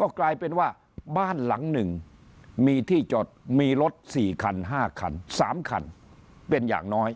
ก็กลายเป็นว่าบ้านหลังหนึ่งมีที่จอดมีรถ๔คัน๕คัน๓คันเป็นอย่างน้อย